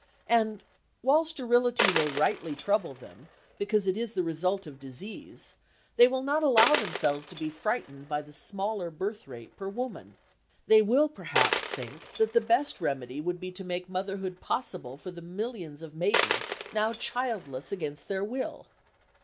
And, while sterility will rightly trouble them, because it is the result of disease, they will not allow themselves to be frightened by the smaller birth rate per woman. They will perhaps think that the best remedy would be to make motherhood possible for the millions of maidens, now childless against their will.